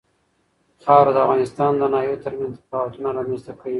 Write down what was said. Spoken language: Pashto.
خاوره د افغانستان د ناحیو ترمنځ تفاوتونه رامنځ ته کوي.